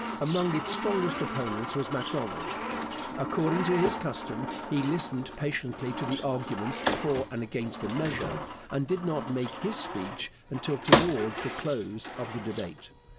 Among its strongest opponents was Macdonald. According to his custom, he listened patiently to the arguments for and against the measure, and did not make his speech until towards the close of the debate.